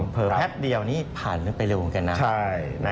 เผื่อแพทย์เดียวนี้ผ่านเรื่องไปเร็วเหมือนกันนะ